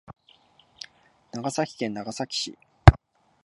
長崎県長崎市